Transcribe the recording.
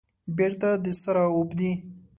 بیرته د سره اوبدي